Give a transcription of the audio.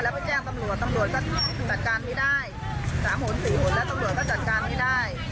แล้วไปแจ้งตำรวจตำรวจก็จัดการไม่ได้๓หนสี่หนแล้วตำรวจก็จัดการไม่ได้